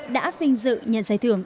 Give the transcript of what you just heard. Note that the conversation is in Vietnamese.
đã vinh dự nhận giải thưởng